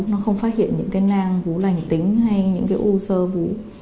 nó không phát hiện những cái nang vú lành tính hay những cái u sơ vú